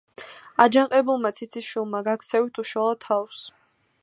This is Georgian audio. აჯანყებულმა ციციშვილმა გაქცევით უშველა თავს.